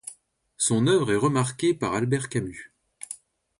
Son œuvre est remarquée par Albert Camus.